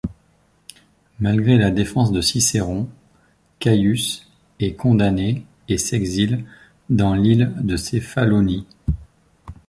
Malgré la défense de Cicéron, Caius est condamné et s’exile dans l'île de Céphalonie.